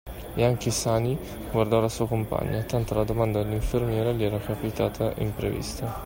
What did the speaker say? E anche Sani guardò la sua compagna, tanto la domanda dell'infermiera gli era capitata imprevista.